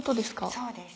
そうです。